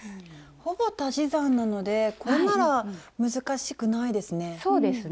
ほぼ足し算なのでこれなら難しくないですね。